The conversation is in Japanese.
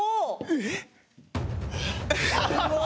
えっ？